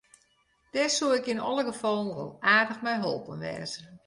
Dêr soe ik yn alle gefallen al aardich mei holpen wêze.